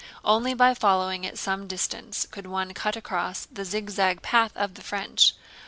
Only by following at some distance could one cut across the zigzag path of the French.